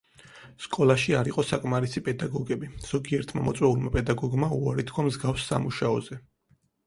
სკოლაში არ იყო საკმარისი პედაგოგები, ზოგიერთმა მოწვეულმა პედაგოგმა უარი თქვა მსგავს სამუშაოზე.